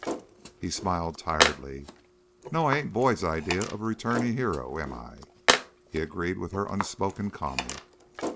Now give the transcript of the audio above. He smiled tiredly. "No, I ain't Boyd's idea of a returnin' hero, am I?" he agreed with her unspoken comment.